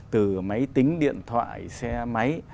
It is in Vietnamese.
từ máy tính điện thoại xe máy